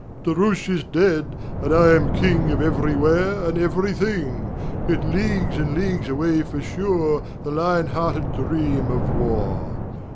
"Daroosh is dead, and I am King Of Everywhere and Everything: Yet leagues and leagues away for sure The lion hearted dream of war.